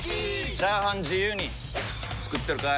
チャーハン自由に作ってるかい！？